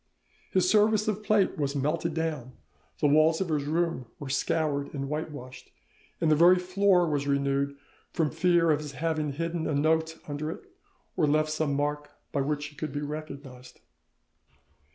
His service of plate was melted down, the walls of his room were scoured and whitewashed, the very floor was renewed, from fear of his having hidden a note under it, or left some mark by which he could be recognised.